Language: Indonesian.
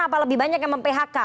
apa lebih banyak yang mem phk